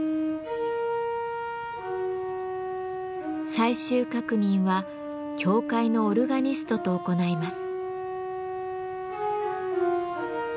最終確認は教会のオルガニストと行います。